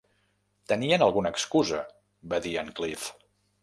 "Tenien alguna excusa", va dir en Clive.